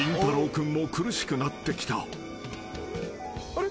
あれ？